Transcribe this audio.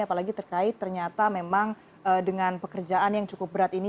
apalagi terkait ternyata memang dengan pekerjaan yang cukup berat ini